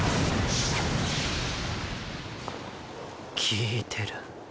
効いてる。